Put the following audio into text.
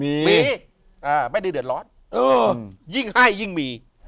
มีมีไม่ได้เดือดร้อนยิ่งให้ยิ่งมี